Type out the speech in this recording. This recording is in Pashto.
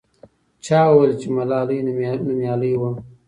چا وویل چې ملالۍ نومیالۍ وه.